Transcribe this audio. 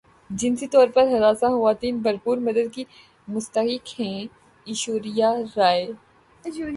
جنسی طور پر ہراساں خواتین بھرپور مدد کی مستحق ہیں ایشوریا رائے